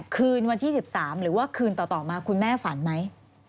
คืนวันที่๑๓หรือว่าคืนต่อมาคุณแม่ฝันไหม